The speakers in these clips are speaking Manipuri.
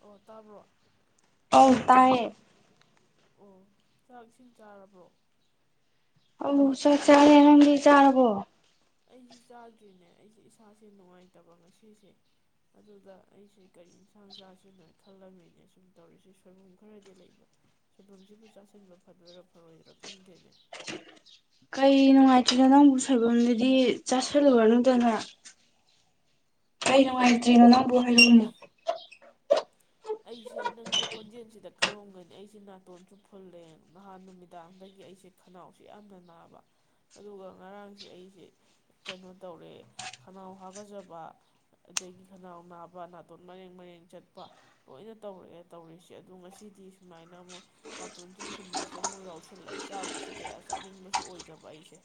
ꯑꯣ ꯇꯥꯕ꯭ꯔꯣ ꯍ ꯑꯣ ꯆꯥꯛ ꯏꯁꯤꯁꯤꯡ ꯆꯥꯔꯕ꯭ꯔꯣ ꯑꯣ ꯆ ꯆꯔꯔꯝꯗꯤ ꯆꯥꯔꯕꯣ ꯑꯩꯁꯤ ꯆꯥꯗ꯭ꯔꯤꯅꯦ ꯑꯩꯁꯦ ꯏꯁꯥꯁꯦ ꯅꯨꯡꯉꯥꯏꯇꯕ ꯉꯁꯤꯁꯦ ꯑꯗꯨꯗ ꯑꯩꯁꯤꯦ ꯀꯔꯤ ꯏꯟꯁꯥꯡ ꯆꯥꯁꯤꯅꯣ ꯈꯜꯂꯝꯃꯤꯅꯦ ꯁꯨꯝ ꯇꯧꯔꯤꯁꯤꯦ ꯁꯣꯏꯕꯨꯝ ꯈꯔꯗꯤ ꯂꯩꯕ ꯁꯣꯏꯕꯨꯝꯁꯤꯕꯨ ꯆꯥꯁꯤꯟꯕ ꯐꯗꯣꯏꯔꯥ ꯐꯔꯣꯏꯗ꯭ꯔꯥ ꯈꯪꯗꯦꯅꯦ ꯀꯩ ꯅꯨꯡꯉꯥꯏꯇꯣꯏꯔꯤꯅꯣ ꯅꯪꯕꯨ ꯁꯣꯏꯕꯝꯗꯨꯗꯤ ꯆꯥꯁꯤꯜꯂꯨꯨꯔꯅꯗꯅ ꯀꯩ ꯑꯩꯁꯦ ꯅꯨꯡꯉꯥꯏꯇ꯭ꯔꯤꯅꯣ ꯅꯪꯕꯨ ꯍꯥꯏꯔꯨꯅ ꯑꯩꯁꯦ ꯅꯪꯁꯨ ꯈꯣꯟꯖꯦꯜꯁꯤꯗ ꯈꯪꯉꯂꯝꯒꯅꯤ ꯑꯩꯁꯦ ꯅꯥꯇꯣꯟꯁꯨ ꯐꯨꯜꯂꯦ ꯅꯍꯥꯟ ꯅꯨꯃꯤꯗꯥꯡꯗꯒꯤ ꯑꯩꯁꯦ ꯈꯅꯥꯎꯁꯦ ꯌꯥꯝꯅ ꯅꯥꯕ ꯑꯗꯨꯒ ꯉꯔꯥꯡꯁꯦ ꯑꯩꯁꯦ ꯀꯩꯅꯣ ꯇꯧꯔꯦ ꯈꯅꯥꯎ ꯍꯥꯒꯖꯕ ꯑꯗꯒꯤ ꯈꯅꯥꯎ ꯅꯥꯕ ꯅꯥꯇꯣꯟ ꯃꯔꯔꯦꯡ ꯃꯔꯔꯦꯡ ꯆꯠꯄ ꯂꯣꯏꯅ ꯇꯧꯔꯛꯑꯦ ꯇꯧꯔꯤꯁꯦ ꯑꯗꯣ ꯉꯁꯤꯗꯤ ꯁꯨꯃꯥꯏꯅ ꯑꯃꯨꯛ ꯅꯥꯇꯣꯟꯁꯤ ꯐꯨꯟꯕꯁꯨ ꯑꯃꯨꯛ ꯌꯥꯎꯁꯜꯂꯛꯑꯦ ꯆꯥꯛꯁꯤ ꯀꯌꯥ ꯆꯥꯅꯤꯡꯕꯁꯨ ꯑꯣꯏꯗꯕ ꯑꯩꯁꯦ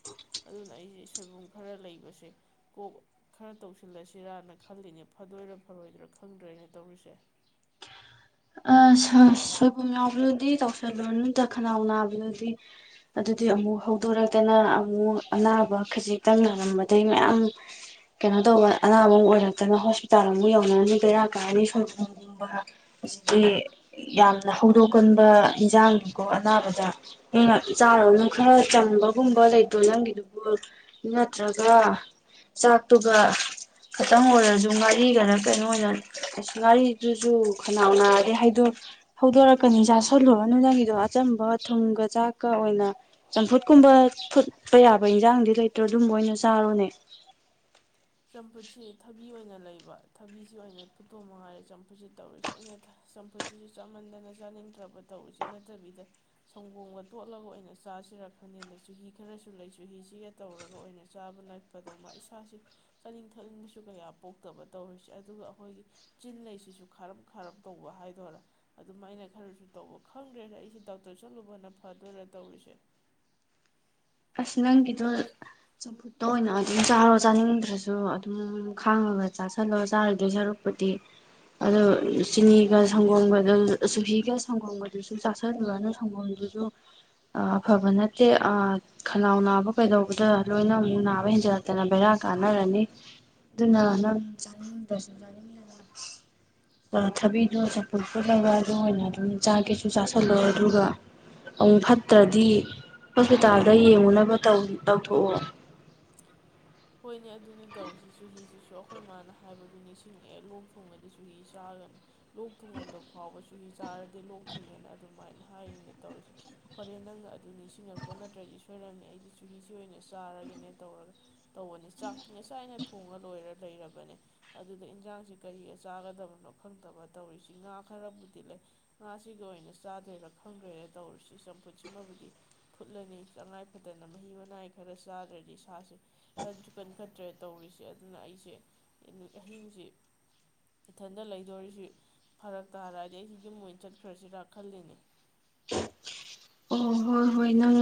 ꯑꯗꯨꯅ ꯑꯩꯁꯦ ꯁꯣꯏꯕꯨꯝ ꯈꯔ ꯂꯩꯕꯁꯦ ꯀꯣꯛ ꯈꯔ ꯇꯧꯁꯤꯜꯂꯁꯤꯔꯅ ꯈꯜꯂꯤꯅꯦ ꯐꯗꯣꯏꯔꯥ ꯐꯔꯣꯏꯗꯔꯥ ꯈꯪꯗ꯭ꯔꯦꯅ ꯇꯧꯔꯤꯁꯦ ꯁꯣꯏꯕꯨꯝ ꯌꯥꯎꯕꯗꯨꯗꯤ ꯇꯧꯁꯜꯂꯨꯔ ꯅꯨꯗ ꯈꯅꯥꯎ ꯅꯥꯕꯗꯨꯗꯤ ꯑꯗꯨꯗꯤ ꯑꯃꯨꯛ ꯍꯧꯗꯣꯔꯛꯇꯅ ꯑꯃꯨꯛ ꯑꯅꯥꯕ ꯈꯖꯤꯛꯇꯪ ꯅꯥꯔꯝꯕꯗꯒꯤꯩ ꯃꯌꯥꯝ ꯀꯩꯅꯣ ꯇꯧꯕ ꯑꯅꯥꯕ ꯑꯃꯨ ꯑꯣꯏꯔꯛꯇꯅ ꯍꯣꯁꯄꯤꯇꯥꯜ ꯑꯃꯨꯛ ꯌꯧꯅꯔꯅꯤ ꯀꯩꯔꯥꯛ ꯀꯥꯔꯅꯤ ꯁꯣꯏꯕꯨꯝꯒꯨꯝꯕ ꯍꯥꯏꯗꯤ ꯌꯥꯝꯅ ꯍꯧꯗꯣꯛꯀꯟꯕ ꯏꯟꯖꯥꯡꯒꯤꯀꯣ ꯑꯅꯥꯕꯗ ꯅꯪꯅ ꯆꯥꯔꯅ ꯈꯔ ꯆꯝꯕꯒꯨꯝꯕ ꯂꯩꯇꯣ ꯅꯪꯒꯤꯗꯨꯕꯨ ꯅꯠꯇ꯭ꯔꯒ ꯆꯥꯛꯇꯨꯒ ꯈꯇꯪ ꯑꯣꯏꯔꯁꯨ ꯉꯥꯔꯤꯒꯅ ꯀꯩꯅꯣ ꯑꯣꯏꯅ ꯉꯥꯔꯤꯗꯨꯁꯨ ꯈꯅꯥꯎ ꯅꯥ ꯑ ꯍꯥꯏꯗꯣ ꯍꯧꯗꯣꯔꯛꯀꯅꯤ ꯆꯥ ꯁꯜꯂꯨꯔ ꯅꯨꯡꯊꯪꯒꯤꯗꯣ ꯑꯆꯝꯕ ꯊꯨꯝꯒ ꯆꯥꯛꯀ ꯑꯣꯏꯅ ꯆꯝꯐꯨꯠ ꯀꯨꯝꯕ ꯐꯨꯠꯄ ꯌꯥꯕ ꯏꯟꯁꯥꯡꯗꯤ ꯂꯩꯇ꯭ꯔꯣ ꯑꯗꯨꯝꯕ ꯑꯣꯏꯅ ꯆꯥꯔꯣꯅꯦ ꯆꯝꯐꯨꯠꯁꯤ ꯊꯕꯤ ꯑꯣꯏꯅ ꯂꯩꯕ ꯊꯕꯤꯁꯤ ꯑꯣꯏꯅ ꯐꯨꯠꯇꯣꯝꯃ ꯍꯥꯏꯥꯏꯔꯦ ꯆꯝꯐꯨꯠꯁꯤ ꯇꯧꯔꯤꯁꯦ ꯑꯩꯅ ꯆꯝꯐꯨꯠꯁꯤꯁꯨ ꯆꯥꯃꯟꯗꯅ ꯆꯥꯅꯤꯡꯗ꯭ꯔꯕ ꯇꯧꯔꯤꯁꯤ ꯅꯠꯇꯕꯤꯗ ꯁꯪꯒꯣꯝꯒ ꯇꯣꯠꯂꯒ ꯑꯣꯏꯅ ꯆꯥꯁꯤꯔꯛ ꯈꯅꯤꯗ ꯆꯨꯍꯤ ꯈꯔꯁꯨ ꯂꯩ ꯆꯨꯍꯤꯁꯤꯒ ꯇꯧꯔꯒ ꯑꯣꯏꯅ ꯆꯥꯕ ꯂꯠꯄꯗꯧ ꯃꯥ ꯏꯁꯥꯥꯁꯦ ꯆꯥꯅꯤꯡ ꯊꯛꯅꯤꯡꯕꯁꯨ ꯀꯌꯥ ꯄꯣꯛꯇꯕ ꯇꯧꯔꯤꯁꯦ ꯑꯗꯨꯒ ꯑꯩꯈꯣꯏꯒꯤ ꯆꯤꯟ ꯂꯩꯁꯤꯁꯨ ꯈꯥꯔꯞ ꯈꯥꯔꯞ ꯇꯧꯕ ꯍꯥꯏꯗꯣꯏꯔꯥ ꯑꯗꯨꯃꯥꯏꯅ ꯈꯔꯁꯨ ꯇꯧꯕ ꯈꯪꯗ꯭ꯔꯦꯅ ꯑꯩꯁꯦ ꯗꯣꯛꯇꯔ ꯆꯠꯂꯨꯕꯅ ꯐꯗꯣꯏꯔꯥ ꯇꯧꯔꯤꯁꯦ ꯑꯁ ꯅꯪꯒꯤꯗꯣ ꯆꯝꯐꯨꯠꯇ ꯑꯣꯏꯅ ꯑꯗꯨꯝ ꯆꯥꯔꯣ ꯆꯥꯅꯤꯡꯗ꯭ꯔꯁꯨ ꯑꯗꯨꯝ ꯈꯥꯡꯉꯒ ꯆꯥꯥꯁꯜꯂꯣ ꯆꯥꯔꯗꯣꯏ ꯁꯔꯨꯛꯄꯨꯗꯤ ꯑꯗꯣ ꯆꯤꯅꯤꯒ ꯁꯪꯒꯣꯝꯒꯗ ꯆꯨꯍꯤꯒ ꯁꯪꯒꯣꯝꯒꯗꯨꯁꯨ ꯆꯥꯥꯁꯜꯂꯣ ꯑꯗꯨ ꯁꯪꯒꯣꯝꯗꯨꯁꯨ ꯑꯐꯕ ꯅꯠꯇꯦ ꯈꯂꯎ ꯅꯥꯕ ꯀꯩꯗꯧꯕꯗ ꯂꯣꯏꯅꯃꯛꯨ ꯅꯥꯕ ꯍꯦꯟꯖꯜꯂꯛꯇꯅ ꯕꯦꯔꯥ ꯀꯥꯟꯅꯔꯅꯤ ꯑꯗꯨꯅ ꯅꯪ ꯆꯥꯅꯤꯡꯗ꯭ꯔꯁꯨ ꯆꯥꯅꯤꯡꯉꯗꯅ ꯊꯕꯤꯗꯣ ꯆꯝꯐꯨꯠ ꯐꯨꯠꯅꯕ ꯑꯗꯨ ꯑꯣꯏꯅ ꯑꯗꯨꯝ ꯆꯥꯒꯦꯁꯨ ꯆꯥꯥꯁꯜꯂꯣ ꯑꯗꯨꯒ ꯑꯃꯨꯛ ꯐꯠꯇ꯭ꯔꯗꯤ ꯍꯣꯁꯄꯤꯇꯥꯜꯗ ꯌꯦꯡꯉꯨꯅꯕ ꯇꯧꯊꯣꯛꯑꯣ ꯍꯣꯏꯅꯦ ꯑꯗꯨꯅ ꯇꯧꯁꯤ ꯆꯨꯍꯤꯁꯤꯁꯨ ꯑꯩꯈꯣꯏ ꯃꯥꯅ ꯍꯥꯏꯕꯗꯨ ꯅꯤꯡꯁꯤꯡꯉꯛꯑꯦ ꯂꯣꯛ ꯊꯣꯡꯉꯗꯤ ꯆꯨꯍꯤ ꯆꯥꯒꯅꯤ ꯂꯣꯛ ꯊꯨꯡꯉꯝꯗꯕ ꯐꯥꯎꯕꯁꯨ ꯆꯨꯍꯤ ꯆꯥꯔꯗꯤ ꯂꯣꯛ ꯊꯨꯡꯉꯦꯅ ꯑꯗꯨꯃꯥꯏꯅ ꯍꯥꯏꯔꯤꯅꯦ ꯇꯧꯔꯤꯁꯦ ꯐꯔꯦ ꯅꯪꯅ ꯑꯗꯨ ꯅꯤꯡꯁꯤꯡꯉꯛꯄ ꯅꯠꯇ꯭ꯔꯗꯤ ꯁꯣꯏꯔꯝꯅꯤ ꯑꯩꯗꯤ ꯆꯨꯍꯤꯁꯤ ꯑꯣꯏꯅ ꯆꯥꯔꯒꯦꯅꯦ ꯇꯧꯔꯒ ꯇꯧꯕꯅꯤ ꯆꯥꯛꯇꯤ ꯉꯁꯥꯏ ꯑꯅ ꯊꯣꯡꯉ ꯂꯣꯏꯔ ꯂꯩꯔꯕꯅꯦ ꯑꯗꯨꯗ ꯏꯟꯖꯥꯡꯁꯤ ꯀꯔꯤꯒ ꯆꯥꯒꯗꯕꯅꯣ ꯈꯪꯗꯕ ꯇꯧꯔꯤꯁꯤ ꯉꯥ ꯈꯔꯕꯨꯗꯤ ꯂꯩ ꯉꯥꯁꯤꯒ ꯑꯣꯏꯅ ꯆꯥꯗ꯭ꯔꯣꯏꯔꯥ ꯈꯪꯗ꯭ꯔꯦꯔꯥ ꯇꯧꯔꯤꯁꯤ ꯆꯝꯐꯨꯠꯁꯤꯃꯕꯨꯗꯤ ꯐꯨꯠꯂꯅꯤ ꯇꯉꯥꯏ ꯐꯗꯅ ꯃꯍꯤ ꯃꯅꯥꯏ ꯈꯔ ꯆꯥꯗ꯭ꯔꯗꯤ ꯁꯥꯁꯤꯦ ꯀꯟꯁꯨ ꯀꯟꯈꯠꯇ꯭ꯔꯦ ꯇꯧꯔꯤꯁꯦ ꯑꯗꯨꯅ ꯑꯩꯁꯦ ꯑꯍꯤꯡꯁꯤ ꯏꯊꯟꯗ ꯂꯩꯗꯣꯔꯤꯁꯤ ꯐꯔꯛ ꯇꯥꯔꯛꯑꯗꯤ ꯑꯩꯁꯤ ꯌꯨꯝ ꯑꯣꯏꯅ ꯆꯠꯈ꯭ꯔꯁꯤꯔꯥ ꯈꯜꯂꯤꯅꯦ ꯑꯣ ꯍꯣꯏ ꯍꯣꯏ ꯅꯪ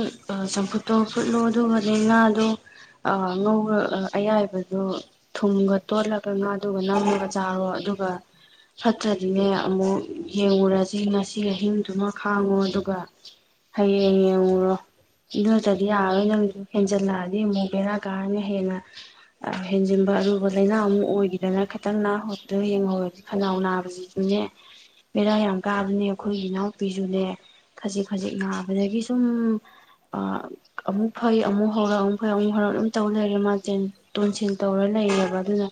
ꯆꯝꯐꯨꯠꯇꯣ ꯐꯨꯠꯂꯣ ꯑꯗꯨꯒꯅꯦ ꯉꯥꯗꯣ ꯉꯧ ꯑꯌꯥꯏꯕꯗꯣ ꯊꯨꯝꯒ ꯇꯣꯠꯂꯒ ꯉꯥꯗꯨꯒ ꯅꯝꯒ ꯆꯥꯔꯣ ꯑꯗꯨꯒ ꯐꯠꯇ꯭ꯔꯗꯤꯅꯦ ꯑꯃꯨꯛ ꯌꯦꯡꯉꯨꯔꯁꯤ ꯉꯁꯤ ꯑꯍꯤꯡꯗꯨꯃ ꯈꯥꯡꯉꯣ ꯑꯗꯨꯒ ꯍꯌꯦꯡ ꯌꯦꯡꯉꯨꯔꯣ ꯑꯗꯨꯠꯇꯗꯤ ꯌꯥꯔꯔꯣꯏ ꯅꯪ ꯍꯦꯟꯖꯜꯂꯛꯑꯗꯤ ꯑꯃꯨꯛ ꯕꯦꯔꯥ ꯀꯥꯔꯅꯤ ꯍꯦꯟꯅ ꯍꯦꯟꯖꯤꯟꯕ ꯑꯔꯨꯕ ꯂꯩꯅꯥ ꯑꯃꯨꯛ ꯑꯣꯏꯈꯤꯗꯅ ꯈꯤꯇꯪ ꯅꯥꯍ ꯌꯦꯡꯍꯧꯔꯗꯤ ꯈꯅꯥꯎ ꯅꯥꯕꯁꯤꯁꯨꯅꯦ ꯕꯦꯔꯥ ꯌꯥꯝ ꯀꯥꯕꯅꯦ ꯑꯩꯈꯣꯏꯒꯤ ꯏꯅꯥꯎꯄꯤꯁꯨꯅꯦ ꯈꯖꯤꯛ ꯈꯖꯤꯛ ꯌꯥꯕꯗꯒꯤ ꯁꯨꯝ ꯑꯃꯨꯛ ꯐꯩ ꯑꯃꯨꯛ ꯍꯧꯔꯛ ꯑꯃꯨꯛ ꯐꯩ ꯑꯃꯨꯛ ꯍꯧꯔꯛ ꯑꯗꯨꯝ ꯇꯧ ꯂꯩꯔꯦ ꯃꯥꯦꯟ ꯇꯣꯟꯁꯤꯦꯟ ꯇꯧꯔ ꯂꯩꯌꯦꯦꯕ ꯑꯗꯨꯅ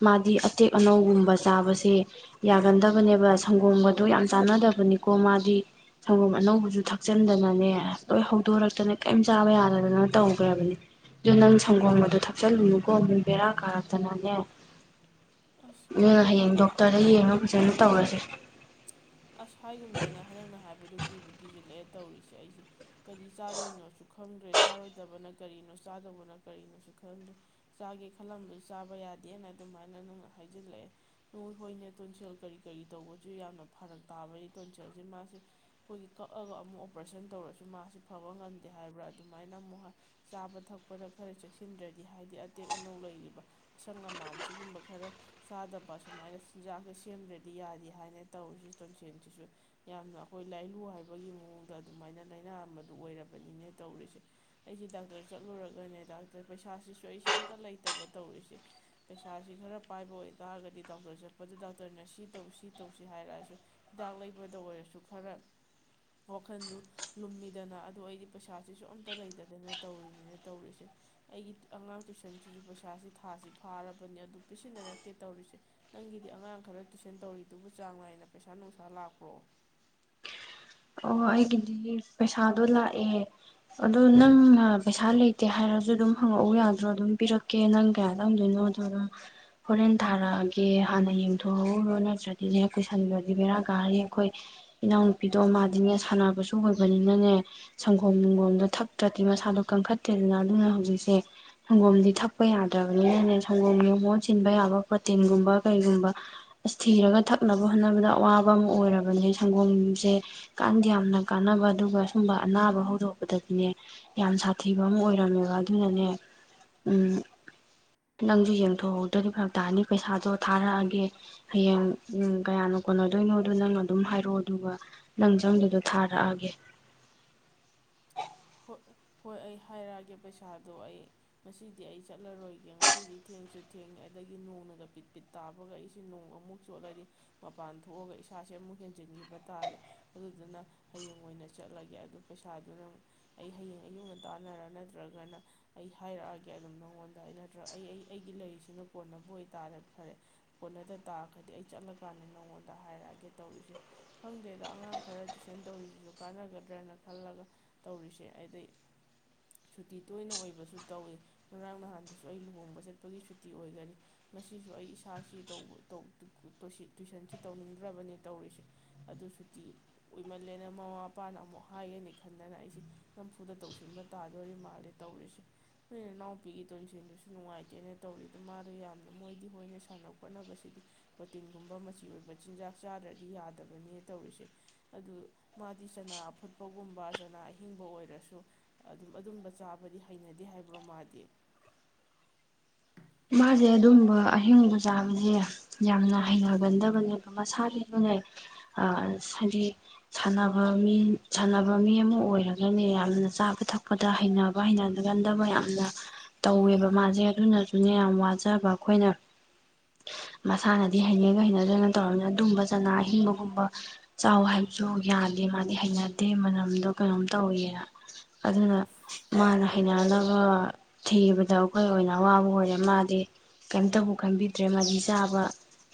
ꯃꯥꯗꯤ ꯑꯇꯦꯛ ꯑꯅꯧꯒꯨꯝꯕ ꯆꯥꯕꯁꯦ ꯌꯥꯒꯟꯗꯕꯅꯦꯕ ꯁꯪꯒꯣꯝꯒꯗꯣ ꯌꯥꯝ ꯆꯥꯟꯅꯗꯕꯅꯤꯀꯣ ꯃꯥꯗꯤ ꯁꯪꯒꯣꯝ ꯑꯅꯧꯕꯁꯨ ꯊꯛ ꯊꯛꯆꯤꯟꯗꯅꯅꯦ ꯂꯣꯏ ꯍꯧꯗꯣꯔꯛꯇꯅꯦ ꯀꯔꯤꯝ ꯆꯥꯕ ꯌꯥꯗꯗꯅ ꯇꯧꯈ꯭ꯔꯕꯅꯤ ꯑꯗꯨꯗꯣ ꯅꯪ ꯁꯪꯒꯣꯝꯕꯗꯣ ꯊꯛꯆꯜꯂꯨꯅꯨꯀꯣ ꯃꯨꯡ ꯕꯦꯔꯥ ꯀꯥꯔꯛꯇꯅꯅꯦ ꯑꯁ ꯃ ꯍꯌꯦꯡ ꯍ꯭ꯋꯥꯏꯒꯨꯝꯗꯅ ꯗꯣꯛꯇꯔꯗ ꯌꯦꯡꯉꯨ ꯐꯖꯅ ꯇꯧꯔꯁꯦ ꯑꯁ ꯍꯥꯏꯒꯨꯝꯗꯅ ꯅꯪꯅ ꯍꯥꯏꯕꯗꯨꯣ ꯀꯤꯕꯨ ꯀꯤꯁꯤꯜꯂꯛꯑꯦ ꯇꯧꯔꯤꯁꯦ ꯑꯩꯁꯦ ꯀꯔꯤ ꯆꯥꯗꯣꯏꯅꯣꯁꯨ ꯈꯪꯗ꯭ꯔꯦ ꯆꯥꯔꯣꯏꯗꯕꯅ ꯀꯔꯤꯅꯣ ꯆꯥꯗꯧꯕꯅ ꯀꯔꯤꯅꯣꯁꯨ ꯈꯪꯗ꯭ꯔꯦ ꯆꯥꯒꯦ ꯈꯜꯂꯝꯕꯗ ꯆꯥꯕ ꯌꯥꯗꯦꯅ ꯑꯗꯨꯃꯥꯏꯅ ꯅꯪꯅ ꯍꯥꯏꯖꯤꯜꯂꯛꯑꯦ ꯅꯣꯏ ꯍꯣꯏꯅ ꯇꯣꯟꯁꯦꯜ ꯀꯔꯤ ꯀꯔꯤ ꯇꯧꯕꯁꯨ ꯌꯥꯝꯅ ꯐꯔꯛ ꯇꯥꯕꯒꯤ ꯇꯣꯟꯁꯦꯜꯁꯦ ꯃꯥꯁꯤꯦ ꯑꯩꯈꯣꯏꯒꯤ ꯀꯛꯑꯒ ꯑꯃꯨꯛ ꯑꯣꯄꯔꯦꯁꯟ ꯇꯧꯔꯁꯨ ꯃꯥꯁꯤ ꯐꯕ ꯉꯝꯗꯦ ꯍꯥꯏꯕ꯭ꯔꯥ ꯑꯗꯨꯃꯥꯏꯅ ꯑꯃꯨꯛ ꯆꯥꯕ ꯊꯛꯄꯗ ꯈꯔ ꯆꯦꯛꯁꯤꯟꯗ꯭ꯔꯗꯤ ꯍꯥꯏꯗꯤ ꯑꯇꯦꯛ ꯑꯅꯧ ꯂꯩꯔꯤꯕ ꯑꯁꯪ ꯑꯃꯥꯟ ꯁꯤꯒꯨꯝꯕ ꯈꯔ ꯆꯥꯗꯕ ꯑꯁꯨꯃꯥꯏꯅ ꯆꯤꯟꯖꯥꯛꯁ ꯁꯦꯝꯗ꯭ꯔꯗꯤ ꯌꯥꯗꯦ ꯍꯥꯏꯅ ꯇꯧꯔꯤꯁꯤ ꯇꯣꯟꯁꯦꯟꯁꯤꯁꯨ ꯌꯥꯝꯅ ꯑꯩꯈꯣꯏ ꯂꯥꯏꯂꯨ ꯍꯥꯏꯕꯒꯤ ꯃꯑꯣꯡꯗ ꯑꯗꯨꯃꯥꯏꯅ ꯂꯥꯏꯅꯥ ꯑꯃꯗꯨ ꯑꯣꯏꯔꯕꯅꯤꯅꯦ ꯇꯧꯔꯤꯁꯦ ꯑꯩꯁꯦ ꯗꯥꯛꯇꯔ ꯆꯠꯂꯨꯔꯒꯅꯦ ꯗꯥꯛꯇꯔ ꯄꯩꯁꯥꯁꯤꯁꯨ ꯑꯩꯁꯦ ꯑꯝꯇ ꯂꯩꯇꯕ ꯇꯧꯔꯤꯁꯦ ꯄꯩꯁꯥꯁꯤ ꯈꯔ ꯄꯥꯏꯕ ꯑꯣꯏꯇꯥꯔꯒꯗꯤ ꯗꯥꯛꯇꯔ ꯆꯠꯄꯗꯨ ꯗꯥꯛꯇꯔꯅ ꯁꯤ ꯇꯧ ꯁꯤ ꯇꯧ ꯇꯁꯤ ꯍꯥꯏꯔꯛꯑꯁꯨ ꯍꯤꯗꯥꯛ ꯂꯩꯕꯗ ꯑꯣꯏꯔꯁꯨ ꯈꯔ ꯋꯥꯈꯟꯗꯨ ꯂꯨꯝꯃꯤꯗꯅ ꯑꯗꯨ ꯑꯩꯗꯤ ꯄꯩꯁꯥꯁꯤꯁꯨ ꯑꯝꯇ ꯂꯩꯇꯗꯅ ꯇꯧꯔꯤꯅꯤꯅ ꯇꯧꯔꯤꯁꯦ ꯑꯩꯒꯤ ꯑꯉꯥꯡ ꯇꯨꯏꯁꯟꯁꯤꯁꯨ ꯄꯩꯁꯥꯁꯤ ꯊꯥꯁꯤ ꯐꯥꯔꯕꯅꯤ ꯑꯗꯨ ꯄꯤꯁꯤꯟꯅꯔꯛꯇꯦ ꯇꯧꯔꯤꯁꯦ ꯅꯪꯒꯤꯗꯤ ꯑꯉꯥꯡ ꯈꯔ ꯇꯨꯏꯁꯟ ꯇꯧꯔꯤ ꯑꯗꯨꯕꯨ ꯆꯥꯡ ꯅꯥꯏꯅ ꯄꯩꯁꯥ ꯅꯨꯡꯁꯥ ꯂꯥꯛꯄ꯭ꯔꯣ ꯑꯣ ꯑꯩꯒꯤꯗꯤ ꯄꯩꯁꯥꯗꯣ ꯂꯥꯛꯑꯦ ꯑꯗꯣ ꯅꯪꯅ ꯄꯩꯁꯥ ꯂꯩꯇꯦ ꯍꯥꯏꯔꯁꯨ ꯑꯗꯨꯝ ꯍꯪꯉꯛꯎ ꯌꯥꯗ꯭ꯔꯣ ꯑꯗꯨꯝ ꯄꯤꯔꯛꯀꯦ ꯅꯪ ꯀꯌꯥ ꯇꯝꯗꯣꯏꯅꯣ ꯑꯗꯣ ꯑꯗꯨꯝ ꯍꯣꯔꯦꯟ ꯊꯥꯔꯛꯑꯒꯦ ꯍꯥꯟꯅ ꯌꯦꯡꯊꯣꯛꯎꯔꯣ ꯅꯠꯇ꯭ꯔꯗꯤꯅꯦ ꯀꯨꯏꯁꯟꯕꯗꯤ ꯕꯦꯔꯥ ꯀꯥꯔꯤ ꯑꯩꯈꯣꯏ ꯏꯅꯥꯎꯅꯨꯄꯤ ꯑꯗꯣ ꯃꯥꯗꯤꯅꯦ ꯁꯥꯟꯅꯕꯁꯨ ꯑꯣꯏꯕꯅꯤꯅꯅꯦ ꯁꯪꯒꯣꯝ ꯁꯪꯒꯣꯝꯗꯣ ꯊꯛꯇ꯭ꯔꯗꯤ ꯃꯁꯥꯗꯣ ꯀꯟꯈꯠꯇꯦꯗꯅ ꯑꯗꯨꯅ ꯍꯧꯖꯤꯛꯁꯦ ꯁꯪꯒꯣꯝꯗꯤ ꯊꯛꯄ ꯌꯥꯗ꯭ꯔꯕꯅꯤꯅꯅꯦ ꯁꯪꯒꯣꯝꯒꯤ ꯃꯣꯣꯟ ꯆꯤꯟꯕ ꯌꯥꯕ ꯄ꯭ꯔꯣꯇꯤꯟꯒꯨꯝꯕ ꯀꯩꯒꯨꯝꯕ ꯑꯁ ꯊꯤꯔꯒ ꯊꯛꯅꯕ ꯍꯣꯠꯅꯕꯗ ꯑꯋꯥꯕ ꯑꯃ ꯑꯣꯏꯔꯕꯅꯦ ꯁꯪꯒꯣꯝꯁꯦ ꯀ ꯌꯥꯝꯅ ꯀꯥꯟꯅꯕ ꯑꯗꯨꯒ ꯁꯨꯝꯕ ꯑꯅꯥꯕ ꯍꯧꯗꯣꯛꯄꯗꯗꯤꯅꯦ ꯌꯥꯝ ꯁꯥꯊꯤꯕ ꯑꯃ ꯑꯣꯏꯔꯝꯃꯦꯕ ꯑꯗꯨꯅꯅꯦ ꯎꯝ ꯅꯪꯁꯨ ꯌꯦꯡꯊꯣꯛꯍꯧꯗ꯭ꯔꯗꯤ ꯐꯔꯛ ꯇꯥꯅꯤ ꯄꯩꯁꯥꯗꯣ ꯊꯥꯔꯛꯑꯒꯦ ꯍꯌꯦꯡ ꯎ ꯀꯌꯥꯅ ꯀꯣꯟꯅꯗꯣꯏꯅꯣꯗꯣ ꯅꯪ ꯑꯗꯨꯝ ꯍꯥꯏꯔꯛꯑꯣ ꯑꯗꯨꯒ ꯂꯪꯖꯪꯗꯨꯗꯣ ꯊꯥꯔꯛꯑꯒꯦ ꯍꯣꯏ ꯍꯣꯏ ꯑꯩ ꯍꯥꯏꯔꯛꯑꯒꯦ ꯄꯩꯁꯥꯗꯣ ꯑꯩ ꯉꯁꯤꯗꯤ ꯑꯩ ꯆꯠꯂꯔꯣꯏꯒꯦ ꯉꯁꯤꯗꯤ ꯊꯦꯡꯁꯨ ꯊꯦꯡꯉꯦ ꯑꯗꯒꯤ ꯅꯣꯡꯅꯒ ꯄꯤꯠ ꯄꯤꯠ ꯇꯥꯕꯒ ꯑꯩꯁꯤꯦ ꯅꯣꯡ ꯑꯃꯨꯛ ꯆꯣꯠꯂꯗꯤ ꯃꯄꯥꯟ ꯊꯣꯛꯑꯒ ꯏꯁꯥꯁꯦ ꯑꯃꯨꯛ ꯍꯦꯟꯖꯤꯟꯈꯤꯕ ꯇꯥꯔꯦ ꯑꯗꯨꯗꯨꯅ ꯍꯌꯦꯡ ꯑꯣꯏꯅ ꯆꯠꯂꯒꯦ ꯑꯗꯨ ꯄꯩꯁꯥꯗꯨ ꯅꯪ ꯑꯩ ꯍꯌꯦꯡ ꯑꯌꯨꯛꯒ ꯇꯥꯟꯅꯔ ꯅꯠꯇ꯭ꯔꯒꯅ ꯑꯩ ꯍꯥꯏꯔꯛꯑꯒꯦ ꯑꯗꯨꯝ ꯅꯉꯣꯟꯗ ꯑꯩ ꯅꯠꯇ꯭ꯔꯒ ꯑꯩ ꯑꯩ ꯑꯩꯒꯤ ꯂꯩꯔꯤꯁꯤꯅ ꯀꯣꯟꯅꯕꯨ ꯑꯣꯏꯇꯥꯥꯔꯦ ꯐꯔꯦ ꯀꯣꯟꯅꯗ ꯇꯥꯔꯒꯗꯤ ꯑꯩ ꯆꯠꯂꯀꯥꯟꯗ ꯅꯉꯣꯟꯗ ꯍꯥꯏꯔꯛꯑꯒꯦ ꯇꯧꯔꯤꯁꯦ ꯈꯪꯗꯦꯗ ꯑꯉꯥꯡ ꯈꯔ ꯇꯨꯏꯁꯟ ꯇꯧꯔꯤꯁꯤꯁꯨ ꯀꯥꯟꯅꯒꯗ꯭ꯔꯅ ꯈꯜꯂꯒ ꯇꯧꯔꯤꯁꯦ ꯑꯗꯩ ꯁꯨꯇꯤ ꯇꯣꯏꯅ ꯑꯣꯏꯕꯁꯨ ꯇꯧꯏꯤ ꯉꯔꯥꯡ ꯅꯍꯥꯟꯗꯁꯨ ꯑꯩ ꯂꯨꯍꯣꯡꯕ ꯆꯠꯄꯒꯤ ꯁꯨꯇꯤ ꯑꯣꯏꯒꯅꯤ ꯉꯁꯤꯁꯨ ꯑꯩ ꯏꯁꯥꯁꯤ ꯇꯨꯏꯁꯟꯁꯤ ꯇꯧꯅꯤꯡꯗ꯭ꯔꯕꯅꯤ ꯇꯧꯔꯤꯁꯦ ꯑꯗꯨ ꯁꯨꯇꯤ ꯑꯣꯏꯃꯜꯂꯦꯅ ꯃꯃꯥ ꯃꯄꯥꯅ ꯑꯃꯨꯛ ꯍꯥꯏꯒꯅꯤ ꯈꯟꯗꯅ ꯑꯩꯁꯦ ꯅꯝꯐꯨꯗ ꯇꯧꯁꯤꯟꯕ ꯇꯥꯗꯣꯔꯤ ꯃꯥꯜꯂꯦ ꯇꯧꯔꯤꯁꯦ ꯅꯣꯏ ꯏꯅꯥꯎꯄꯤꯒꯤ ꯇꯣꯟꯁꯤꯦꯟꯗꯨꯁꯨ ꯅꯨꯡꯉꯥꯏꯇꯦꯅ ꯇꯧꯔꯤ ꯑꯗꯨ ꯃꯥꯗꯣ ꯌꯥꯝꯅ ꯃꯣꯏꯗꯤ ꯍꯣꯏꯅ ꯁꯥꯟꯅ ꯈꯣꯠꯅꯕꯁꯤꯗꯤ ꯄ꯭ꯔꯣꯇꯤꯟꯒꯨꯝꯕ ꯃꯆꯤ ꯑꯣꯏꯕ ꯆꯤꯟꯖꯥꯛ ꯆꯥꯗ꯭ꯔꯗꯤ ꯌꯥꯗꯕꯅꯦ ꯇꯧꯔꯤꯁꯦ ꯑꯗꯨ ꯃꯥꯗꯤ ꯆꯅꯥ ꯑꯐꯨꯠꯄꯒꯨꯝꯕ ꯆꯅꯥ ꯑꯍꯤꯡꯕ ꯑꯣꯏ ꯆ ꯃꯥꯁꯦ ꯑꯗꯨꯝꯕ ꯑꯍꯤꯡꯕ ꯆꯥꯕꯁꯦ ꯌꯥꯝꯅ ꯍꯩꯅꯒꯟꯗꯕꯅꯦꯕ ꯃꯁꯥꯒꯤꯁꯨꯅꯦ ꯍꯥꯏꯗꯤ ꯁꯥꯟꯅꯕ ꯃꯤ ꯁꯥꯟꯅꯕ ꯃꯤ ꯑꯃ ꯑꯣꯏꯔꯒꯅꯦ ꯌꯥꯝꯅ ꯆꯥꯕ ꯊꯛꯄꯗ ꯍꯩꯅꯕ ꯍꯩꯅꯒꯟꯗꯕ ꯌꯥꯝꯅ ꯇꯧꯋꯦꯕ ꯃꯥꯁꯦ ꯑꯗꯨꯅ ꯑꯗꯨꯅ ꯌꯥꯝ ꯋꯥꯖꯕ ꯑꯩꯈꯣꯏꯅ ꯃꯁꯥꯅꯗꯤ ꯍꯩꯅꯒ ꯍꯩꯅꯗ꯭ꯔꯅ ꯇꯧꯔꯕꯅꯤꯅ ꯑꯗꯨꯝꯕ ꯆꯅꯥ ꯑꯍꯤꯡꯕꯒꯨꯝꯕ ꯆꯥꯎ ꯍꯥꯏꯕꯁꯨ ꯌꯥꯗꯦ ꯃꯥꯗꯤ ꯍꯩꯅꯗꯦ ꯃꯅꯝꯗꯣ ꯀꯩꯅꯣꯝ ꯇꯧꯋꯅ ꯑꯗꯨꯅ ꯃꯥꯅ ꯍꯩꯅꯅꯕ ꯊꯤꯕꯗ ꯑꯩꯈꯣꯏ ꯑꯣꯏꯅ ꯑꯋꯥꯕ ꯑꯣꯏ ꯃꯥꯗꯤ ꯀꯩꯝꯇꯕꯨ ꯈꯟꯕꯤꯗ꯭ꯔꯦ ꯃꯥꯗꯤ ꯆꯥꯕ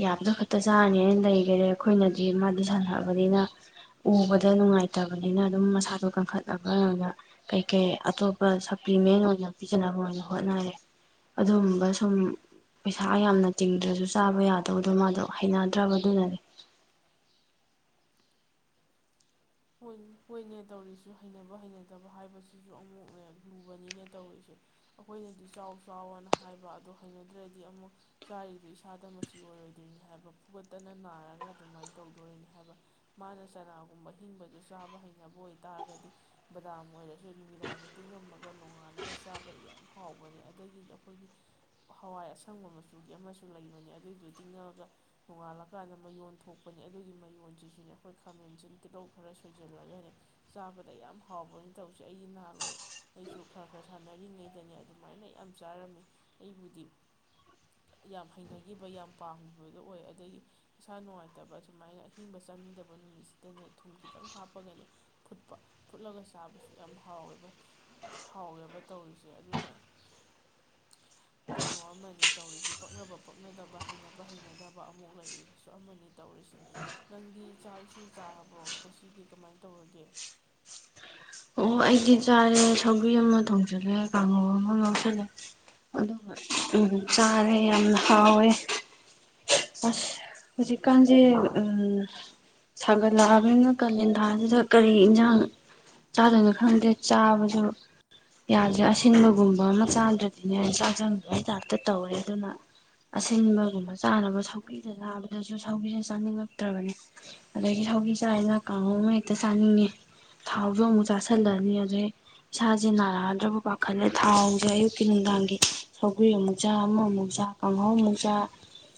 ꯌꯥꯕꯗ ꯈꯛꯇ ꯆꯥꯔꯅꯤꯅ ꯂꯩꯈꯔꯦ ꯑꯩꯈꯣꯏꯅꯗꯤ ꯃꯥꯗꯤ ꯁꯥꯟꯅꯕꯅꯤꯅ ꯎꯕꯗ ꯅꯨꯡꯉꯥꯏꯇꯕꯅꯤꯅ ꯑꯗꯨꯝ ꯃꯁꯥꯗꯣ ꯀꯟꯈꯠꯅꯕ ꯑꯣꯏꯅ ꯀꯩ ꯀꯩ ꯑꯇꯣꯞꯄ ꯁꯄ꯭ꯂꯤꯃꯦꯟ ꯑꯣꯏꯅ ꯄꯤꯖꯅꯕ ꯑꯣꯏꯅ ꯍꯣꯠꯅꯔꯦ ꯑꯗꯨꯒꯕ ꯁꯨꯝ ꯄꯩꯁꯥ ꯌꯥꯝꯅ ꯇꯤꯡꯗ꯭ꯔꯁꯨ ꯆꯥꯕ ꯌꯥꯗꯕꯗꯣ ꯃꯥꯗꯣ ꯍꯩꯅꯗ꯭ꯔꯕꯗꯨꯅꯅꯦ ꯍꯣꯏꯅꯦ ꯇꯧꯔꯤꯁꯤ ꯍꯩꯅꯕ ꯍꯩꯅꯗꯕ ꯍꯥꯏꯕꯁꯤꯁꯨ ꯑꯃꯨꯛꯅꯦ ꯂꯨꯕꯅꯤꯅꯦ ꯇꯧꯔꯤꯁꯦ ꯑꯩꯈꯣꯏꯅꯗꯤ ꯆꯥꯎ ꯆꯥꯎꯋꯅ ꯍꯥꯏꯕ ꯑꯗꯣ ꯍꯩꯅꯗ꯭ꯔꯗꯤ ꯑꯃꯨꯛ ꯆꯥꯔꯤꯗꯨꯣ ꯏꯁꯥꯗ ꯃꯆꯤ ꯑꯣꯏꯔꯣꯏꯗꯣꯏꯔꯤꯅꯤ ꯍꯥꯏꯕ ꯐꯨꯒꯠꯇꯅ ꯅꯥꯔꯒ ꯑꯗꯨꯃꯥꯏꯅ ꯇꯧꯗꯣꯔꯤꯅꯤ ꯍꯥꯏꯕ ꯃꯥꯅ ꯆꯅꯥꯒꯨꯝꯕ ꯑꯍꯤꯡꯕꯗ ꯆꯥꯕ ꯍꯩꯅꯕ ꯑꯣꯏꯇꯥꯥꯔꯒꯗꯤ ꯕꯗꯥꯝ ꯑꯣꯏꯔꯁꯨ ꯅꯨꯃꯤꯗꯥꯡꯗ ꯇꯤꯡꯉꯝꯃꯒ ꯅꯣꯡꯉꯥꯜꯂꯒ ꯆꯥꯕꯗ ꯌꯥꯝ ꯍꯥꯎꯕꯅꯦ ꯑꯗꯒꯤ ꯑꯩꯈꯣꯏꯒꯤ ꯍꯋꯥꯏ ꯑꯁꯪꯕ ꯃꯆꯨꯒꯤ ꯑꯃꯁꯨ ꯂꯩꯕꯅꯦ ꯑꯗꯨꯏꯗꯨ ꯇꯤꯡꯉꯑꯒ ꯅꯣꯡꯉꯥꯜꯂꯀꯥꯟꯗ ꯃꯌꯣꯟ ꯊꯣꯛꯄꯅꯦ ꯑꯗꯨꯒꯤ ꯃꯌꯣꯟꯁꯤꯁꯨꯅꯦ ꯑꯩꯈꯣꯏ ꯈꯥꯃꯦꯟꯁꯤ ꯇꯤꯜꯍꯧ ꯈꯔ ꯁꯣꯏꯖꯜꯂꯒꯅꯦ ꯆꯥꯕꯗ ꯌꯥꯝ ꯍꯥꯎꯕꯅꯤ ꯇꯧꯁꯦ ꯑꯩꯒꯤ ꯅꯍꯥꯥꯟꯋꯥꯏ ꯑꯩꯁꯨ ꯈꯔ ꯈꯔ ꯁꯥꯟꯅꯔꯤꯉꯩꯗꯅꯦ ꯑꯗꯨꯃꯥꯏꯅ ꯌꯥꯝ ꯆꯥꯔꯝꯃꯤ ꯑꯩꯕꯨꯗꯤ ꯌꯥꯝ ꯍꯩꯅꯈꯤꯕ ꯌꯥꯝ ꯄꯥꯝꯈꯤꯕꯗꯣ ꯑꯣꯏ ꯑꯗꯒꯤ ꯏꯁꯥ ꯅꯨꯡꯉꯥꯏꯇꯕ ꯑꯗꯨꯃꯥꯏꯅ ꯑꯍꯤꯡꯕ ꯆꯪꯅꯤꯡꯗꯕ ꯅꯨꯃꯤꯠꯁꯤꯗꯅꯦ ꯊꯨꯝ ꯈꯤꯇꯪ ꯍꯥꯞꯄꯒꯅꯤ ꯐꯨꯠꯄ ꯐꯨꯠꯂꯒ ꯆꯥꯕꯁꯨ ꯌꯥꯝ ꯍꯥꯎꯋꯦꯕ ꯍꯥꯎꯋꯦꯕ ꯇꯧꯔꯤꯁꯦ ꯑꯗꯨꯅ ꯀꯩꯅꯣ ꯑꯃꯅꯤ ꯇꯧꯔꯤꯁꯤ ꯄꯛꯅꯕ ꯄꯛꯅꯗꯕ ꯍꯩꯅꯕ ꯍꯩꯅꯗꯕ ꯑꯃꯨꯛ ꯂꯩꯔꯤꯁꯨ ꯑꯃꯅꯤ ꯇꯧꯔꯤꯁꯤꯦ ꯅꯪꯗꯤ ꯆꯥꯛ ꯏꯁꯤꯡ ꯆꯥꯔꯕ꯭ꯔꯣ ꯃꯁꯤꯗꯤ ꯀꯃꯥꯏꯅ ꯇꯧꯔꯒꯦ ꯑꯣ ꯑꯩꯗꯤ ꯆꯥꯔꯦ ꯁꯧꯒ꯭ꯔꯤ ꯑꯃ ꯊꯣꯡꯁꯤꯜꯂꯦ ꯀꯥꯡꯉꯧ ꯑꯃ ꯉꯎꯁꯜꯂꯦ ꯑꯗꯨꯒ ꯆꯥꯔꯦ ꯌꯥꯝ ꯍꯥꯎꯋꯦ ꯑꯁ ꯍꯧꯖꯤꯛꯀꯥꯟꯁꯦ ꯁꯥꯒꯠꯂꯛꯑꯕꯅꯤꯅ ꯀꯥꯂꯦꯟꯊꯥꯁꯤꯗ ꯀꯔꯤ ꯌꯦꯟꯁꯥꯡ ꯆꯥꯗꯣꯏꯅ ꯈꯪꯗꯦ ꯆꯥꯕꯁꯨ ꯌꯥꯗ꯭ꯔꯦ ꯑꯁꯤꯟꯕꯒꯨꯝꯕ ꯑꯃ ꯆꯥꯗ꯭ꯔꯗꯤꯅꯦ ꯑ ꯆꯥꯛ ꯆꯪꯕ ꯍ ꯇꯥꯏꯞꯇ ꯇꯧꯔꯦ ꯑꯗꯨꯅ ꯑꯁꯤꯟꯕꯒꯨꯝꯕ ꯆꯥꯅꯕ ꯁꯧꯒꯤꯗ ꯆꯥꯕꯗꯁꯨ ꯁꯧꯒꯤꯁꯦ ꯆꯥꯅꯤꯡꯉꯛꯇ꯭ꯔꯕꯅꯦ ꯑꯗꯒꯤ ꯁꯧꯒꯤ ꯆꯥꯔꯤꯅ ꯀꯥꯡꯍꯧ ꯍꯦꯛꯇ ꯆꯥꯅꯤꯡꯉꯤ ꯊꯥꯎꯁꯨ ꯑꯃꯨꯛ ꯆꯥꯥꯁꯜꯂꯅꯤ ꯑꯗꯨꯗꯩ ꯏꯁꯥꯁꯦ ꯅꯥꯔꯛꯑꯗ꯭ꯔꯕ ꯄꯥꯈꯠꯂꯦ ꯊꯥꯎꯁꯦ ꯑꯌꯨꯛꯀꯤ ꯅꯨꯡꯗꯥꯡꯒꯤ ꯁꯧꯒꯔꯤ ꯑꯃꯨꯛ ꯆꯥ ꯑꯃꯃꯨꯛ ꯆꯥ ꯀꯥꯡꯍꯧ ꯑꯃꯨꯛ ꯆꯥ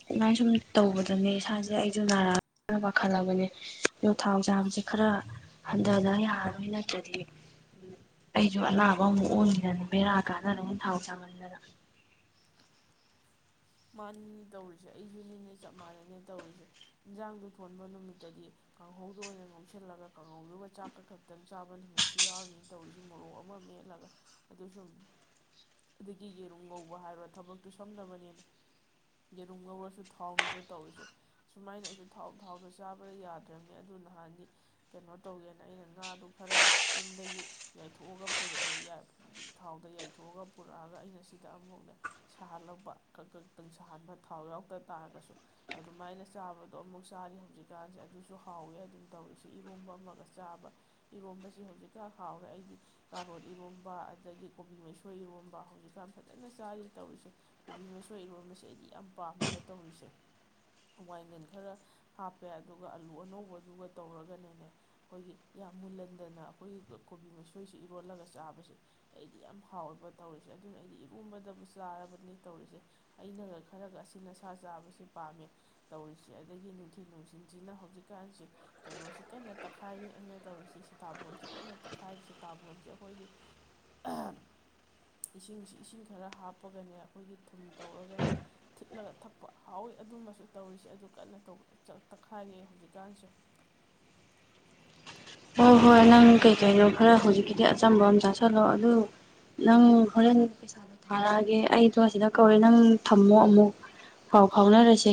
ꯑꯗꯨꯃꯥꯏꯅ ꯁꯨꯝ ꯇꯧꯕꯗꯅꯦ ꯏꯁꯥꯁꯦ ꯑꯩꯁꯨ ꯅꯥꯔꯛꯑꯗ ꯄꯥꯈꯠꯂꯕꯅꯦ ꯑꯗꯣ ꯊꯥꯎ ꯆꯥꯡꯕꯁꯦ ꯈꯔ ꯍꯟꯊꯗ ꯌꯥꯔꯔꯣꯏꯅ ꯑꯗꯨꯗꯤ ꯑꯩꯁꯨ ꯑꯅꯥꯕ ꯑꯃꯨꯛ ꯑꯣꯏꯈꯤꯗꯅꯤ ꯕꯦꯔꯥ ꯀꯥꯟꯗꯅꯩꯅ ꯊꯥꯎ ꯆꯥꯃꯟꯗꯅ ꯃꯥꯅꯤꯅꯦ ꯇꯧꯔꯤꯁꯦ ꯑꯩꯁꯨꯅꯦꯅꯦ ꯆꯞ ꯃꯥꯟꯅꯩꯅꯦ ꯇꯧꯔꯤꯁꯦ ꯏꯟꯖꯥꯡꯗꯨ ꯊꯣꯟꯕ ꯅꯨꯃꯤꯠꯇꯗꯤ ꯀꯥꯡꯍꯧꯗ ꯑꯣꯏꯅ ꯉꯧꯁꯤꯜꯂꯒ ꯀꯥꯡꯍꯧꯗꯨꯒ ꯆꯥꯛꯀ ꯈꯛꯇꯪ ꯆꯥꯕ ꯅꯨꯃꯤꯠꯁꯨ ꯌꯥꯎꯔꯤꯅ ꯇꯧꯔꯤꯁꯦ ꯃꯣꯔꯣꯛ ꯑꯃ ꯃꯦꯠꯂꯒ ꯑꯗꯨ ꯁꯨꯝ ꯑꯗꯨꯗꯒꯤ ꯌꯦꯔꯨꯝ ꯉꯧꯕ ꯍꯥꯏꯔꯣ ꯊꯕꯛꯇꯨ ꯁꯝꯅꯕꯅꯦꯅ ꯌꯦꯔꯨꯝ ꯉꯧꯔꯁꯨ ꯊꯥꯎꯅꯤꯗꯣ ꯇꯧꯔꯤꯁꯦ ꯁꯨꯃꯥꯏꯅ ꯑꯩꯁꯨꯥꯎ ꯊꯥꯎꯗꯣ ꯆꯥꯕꯗ ꯌꯥꯗ꯭ꯔꯕꯅꯦ ꯑꯗꯨ ꯅꯍꯥꯟꯗꯤ ꯀꯩꯅꯣ ꯇꯧꯒꯦꯅ ꯑꯩꯅ ꯉꯥꯗꯣ ꯈꯔ ꯌꯨꯝꯗꯒꯤ ꯌꯩꯊꯣꯛꯑꯒ ꯄꯨꯔꯛꯑꯦ ꯊꯥꯎꯗ ꯌꯏꯊꯣꯛꯑꯒ ꯄꯨꯔꯛꯑꯒ ꯑꯩꯅ ꯁꯤꯗ ꯑꯃꯐꯥꯎꯅꯦ ꯁꯥꯍꯜꯂꯕ ꯈꯥꯛꯇꯪ ꯁꯥꯍꯟꯕ ꯊꯥꯎ ꯌꯥꯎꯗ ꯇꯥꯔꯒꯁꯨ ꯑꯗꯨꯃꯥꯏꯅ ꯆꯥꯕꯗꯣ ꯑꯃꯨꯛ ꯆꯥꯔꯤ ꯍꯧꯖꯤꯛꯀꯥꯟꯁꯦ ꯑꯗꯨꯁꯨ ꯍꯥꯎꯋꯦ ꯑꯗꯨꯝ ꯇꯧꯔꯤꯁꯦ ꯏꯔꯣꯝꯕ ꯑꯃꯒ ꯆꯥꯕ ꯏꯔꯣꯝꯕꯁ ꯍꯧꯖꯤꯛꯀꯥꯟ ꯍꯥꯎꯔꯦ ꯑꯩꯗꯤ ꯀꯥꯔꯣꯟ ꯏꯔꯣꯝꯕ ꯑꯗꯒꯤ ꯀꯣꯕꯤ ꯃꯁꯣꯏ ꯏꯔꯣꯝꯕ ꯍꯧꯖꯤꯛꯀꯥꯟ ꯐꯖꯅ ꯆꯥꯔꯤ ꯇꯧꯔꯤꯁꯦ ꯀꯣꯕꯤ ꯏꯁꯁꯣꯏ ꯏꯔꯣꯟꯕꯁꯦ ꯑꯩꯗꯤ ꯌꯥꯝ ꯄꯥꯝꯃꯦꯕ ꯇꯧꯔꯤꯁꯦ ꯋꯥꯏꯒꯟ ꯈꯔ ꯍꯥꯞꯄꯦ ꯑꯗꯨꯒ ꯑꯂꯨ ꯑꯅꯧꯕꯗꯨꯒ ꯇꯧꯔꯒꯅꯅꯦ ꯑꯩꯈꯣꯏꯒꯤ ꯌꯥꯝ ꯃꯨꯜꯍꯟꯗꯅ ꯑꯩꯈꯣꯏꯒꯤ ꯀꯣꯕꯤ ꯃꯁꯣꯏꯁꯤ ꯏꯔꯣꯜꯂꯒ ꯆꯥꯕꯁꯦ ꯑꯩꯗꯤ ꯌꯥꯝ ꯍꯥꯎꯋꯦꯕ ꯇꯧꯔꯤꯁꯦ ꯑꯗꯨꯅ ꯑꯩꯗꯤ ꯏꯔꯣꯟꯕꯗꯕꯨ ꯆꯥꯔꯕꯅꯤ ꯇꯧꯔꯤꯁꯦ ꯑꯩꯅꯒ ꯈꯔꯒ ꯑꯁꯤ ꯅꯁꯥ ꯆꯥꯕꯁꯤ ꯄꯥꯝꯃꯦ ꯇꯧꯔꯤꯁꯤ ꯑꯗꯒꯤ ꯅꯨꯡꯊꯤꯜ ꯅꯨꯡꯊꯤꯟꯁꯤꯅ ꯍꯧꯖꯤꯛꯀꯥꯟꯁꯤ ꯀꯩꯅꯣꯁꯤ ꯀꯟꯅ ꯇꯛꯈꯥꯏꯔꯤ ꯑꯩꯅ ꯇꯧꯔꯤꯁꯤ ꯁꯤꯇꯥꯐꯣꯟꯁꯤ ꯀꯟꯅ ꯇꯛꯈꯥꯏꯔꯤ ꯁꯤꯇꯥꯕꯣꯟꯁꯦ ꯑꯩꯈꯣꯏꯒꯤ ꯏꯁꯤꯡꯁꯤ ꯏꯁꯤꯡ ꯈꯔ ꯍꯥꯞꯄꯒꯅꯦ ꯑꯩꯈꯣꯏꯒꯤ ꯊꯨꯝ ꯇꯧꯔꯒꯅꯦ ꯊꯤꯠꯂꯒ ꯊꯛꯄ ꯍꯥꯎꯋꯤ ꯑꯗꯨꯃꯁꯨ ꯇꯧꯔꯤꯁꯦ ꯑꯗꯨ ꯀꯟꯅ ꯇꯧꯕ ꯇꯛꯈꯥꯏꯒꯦ ꯍꯧꯖꯤꯛꯀꯥꯟꯁꯦ ꯍꯣꯏ ꯍꯣꯏ ꯅꯪ ꯀꯩꯀꯩꯅꯣ ꯈꯔ ꯍꯧꯖꯤꯛꯀꯤꯗꯤ ꯑꯆꯝꯕ ꯑꯃ ꯆꯥꯁꯤꯜꯂꯣ ꯑꯗꯨ ꯅꯪ ꯍꯣꯔꯦꯟ ꯄꯩꯁꯥꯗꯣ ꯊꯥꯔꯛꯑꯒꯦ ꯑꯩꯗꯣ ꯁꯤꯗ ꯀꯧꯔꯦ ꯅꯪ ꯊꯝꯃꯣ ꯑꯃꯨꯛ ꯄꯥꯎ ꯐꯥꯎꯅꯔꯁꯦ